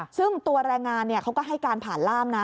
ซึ่งตัวแรงงานเขาก็ให้การผ่านล่ามนะ